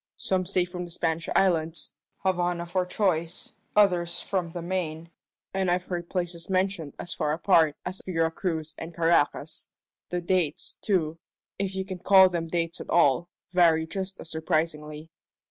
Some say from the Spanish islands Havana for choice; others from the Main, and I've heard places mentioned as far apart us Vera Cruz and Caracas. The dates, too if you can call them dates at all vary just as surprisingly."